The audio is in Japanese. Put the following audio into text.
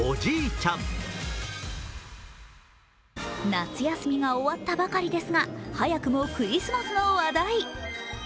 夏休みが終わったばかりですが早くもクリスマスの話題。